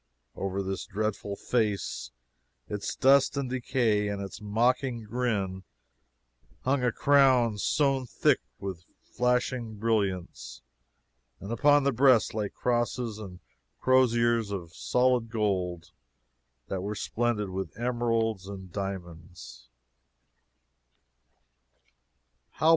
Over this dreadful face, its dust and decay and its mocking grin, hung a crown sown thick with flashing brilliants; and upon the breast lay crosses and croziers of solid gold that were splendid with emeralds and diamonds.